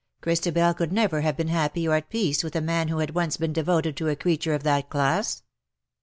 Christabel could never have been happy or at peace with a man who had once been devoted to a creature of that class.